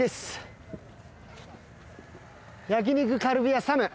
焼肉カルビ屋三夢。